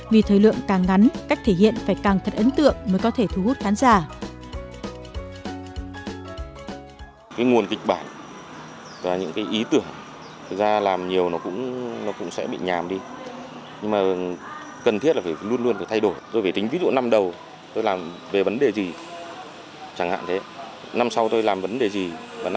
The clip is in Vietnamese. vì thời lượng càng ngắn cách thể hiện phải càng thật ấn tượng mới có thể thu hút khán giả